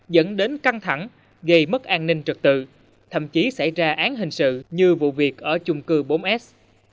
dẫn đến căng thẳng gây mất an ninh trật tự thậm chí xảy ra án hình sự như vụ việc ở chung cư bốn s